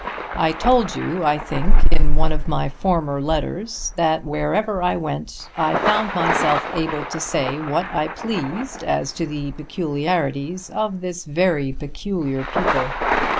I told you, I think, in one of my former letters that wherever I went I found myself able to say what I pleased as to the peculiarities of this very peculiar people.